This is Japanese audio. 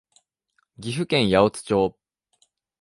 岐阜県八百津町